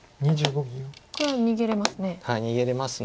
これは逃げれますね。